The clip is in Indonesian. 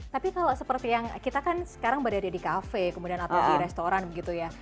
tapi kalau seperti yang kita kan sekarang berada di kafe kemudian atau di restoran begitu ya